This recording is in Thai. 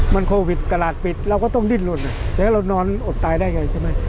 มันโควิดตลาดปิดเราก็ต้องดิ้นลนแล้วเรานอนอดตายได้ไงใช่ไหม